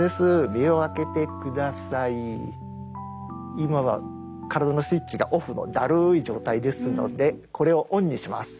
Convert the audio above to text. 今は体のスイッチがオフのだるい状態ですのでこれをオンにします。